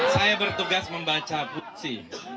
saya bertugas membaca buksi